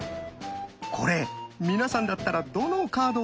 これ皆さんだったらどのカードを出します？